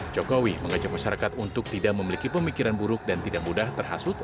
jokowi mengajak masyarakat untuk tidak memiliki pemikiran buruk dan tidak mudah terhasut